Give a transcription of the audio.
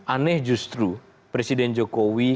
aneh justru presiden jokowi